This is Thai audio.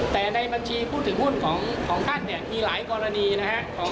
แต่ในบัญชีพูดถึงหุ้นของข้างเนี่ยมีหลายกรณีนะคะ